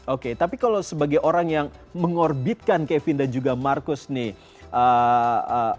oke tapi kalau sebagai orang yang mengorbitkan kevin dan juga marcus nih